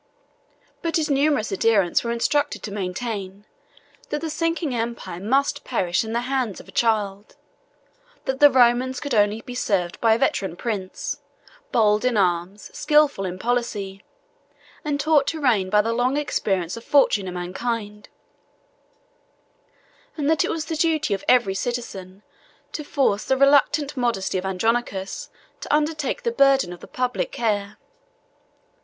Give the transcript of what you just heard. But his numerous adherents were instructed to maintain, that the sinking empire must perish in the hands of a child, that the Romans could only be saved by a veteran prince, bold in arms, skilful in policy, and taught to reign by the long experience of fortune and mankind; and that it was the duty of every citizen to force the reluctant modesty of Andronicus to undertake the burden of the public care.